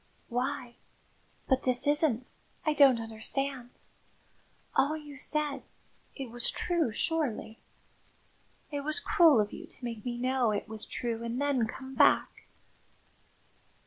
"Why but this isn't I don't understand! All you said it was true, surely? It was cruel of you to make me know it was true and then come back!"